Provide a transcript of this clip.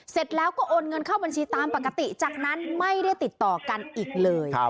เสร็จแล้วก็โอนเงินเข้าบัญชีตามปกติจากนั้นไม่ได้ติดต่อกันอีกเลย